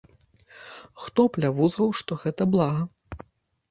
Хто плявузгаў, што гэта блага?!